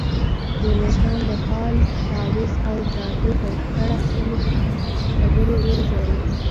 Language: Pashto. ميرويس خان د فال، تاويذ او جادو په اړه خپلې خبرې وغځولې.